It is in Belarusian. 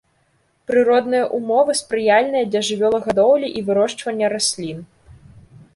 Прыродныя ўмовы спрыяльныя для жывёлагадоўлі і вырошчвання раслін.